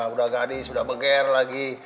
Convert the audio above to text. udah gadis udah beger lagi